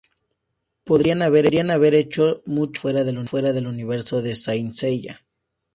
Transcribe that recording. Podrían haber hecho mucho más fuera del universo de Saint Seiya.